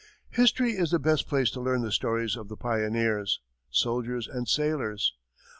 History is the best place to learn the stories of the pioneers, soldiers and sailors.